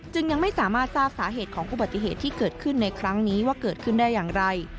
ยังไม่สามารถทราบสาเหตุของอุบัติเหตุที่เกิดขึ้นในครั้งนี้ว่าเกิดขึ้นได้อย่างไร